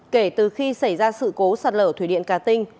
kể từ khi xảy ra sự cố sạt lở thủy điện cà tinh